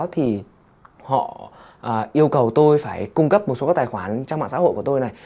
thì họ yêu cầu tôi phải cung cấp một số các tài khoản trong mạng xã hội của tôi này